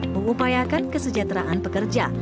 mengupayakan kesejahteraan pekerja